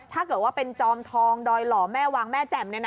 ถ้าเกิดว่าเป็นจอมทองดอยหล่อแม่วางแม่แจ่ม